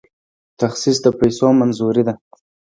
تخصیص د پیسو منظوري ده